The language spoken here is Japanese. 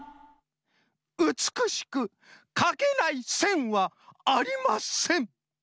うつくしくかけないせんはありません。